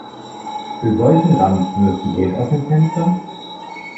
Für solchen Ramsch wirfst du Geld aus dem Fenster?